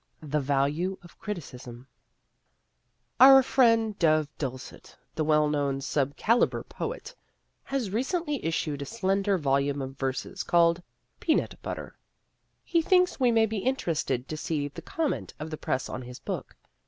THE VALUE OF CRITICISM Our friend Dove Dulcet, the well known sub caliber poet, has recently issued a slender volume of verses called Peanut Butter. He thinks we may be interested to see the comment of the press on his book.